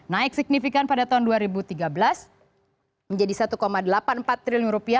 naik signifikan pada tahun dua ribu tiga belas menjadi rp satu delapan puluh empat triliun